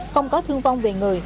không có thương vong về người